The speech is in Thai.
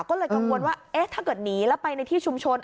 ก็เลยกังวลว่าเอ๊ะถ้าเกิดหนีแล้วไปในที่ชุมชน